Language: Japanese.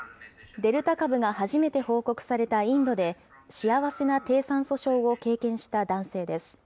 デルタ株が初めて報告されたインドで、幸せな低酸素症を経験した男性です。